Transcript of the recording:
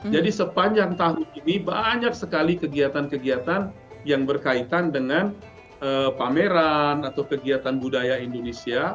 jadi sepanjang tahun ini banyak sekali kegiatan kegiatan yang berkaitan dengan pameran atau kegiatan budaya indonesia